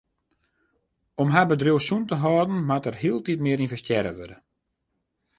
Om har bedriuw sûn te hâlden moat der hieltyd mear ynvestearre wurde.